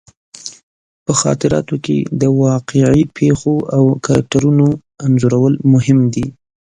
په خاطراتو کې د واقعي پېښو او کرکټرونو انځورول مهم دي.